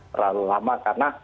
terlalu lama karena